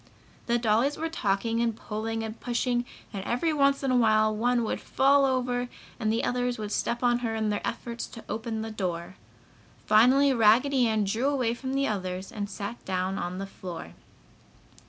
The dollies were talking and pulling and pushing and every once in a while one would fall over and the others would step on her in their efforts to open the door. Finally Raggedy Ann drew away from the others and sat down on the floor.